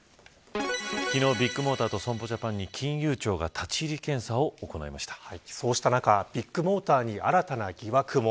昨日、ビッグモーターと損保ジャパンに金融庁がそうした中、ビッグモーターに新たな疑惑も。